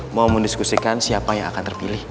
mau mendiskusikan siapa yang akan terpilih